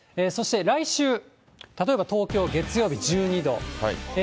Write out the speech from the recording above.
そして来週、例えば東京月曜日、１２度。